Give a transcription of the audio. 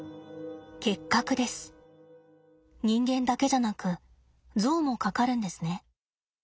人間だけじゃなくゾウもかかるんですね。